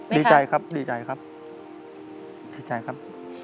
ดีใจครับดีใจครับดีใจครับ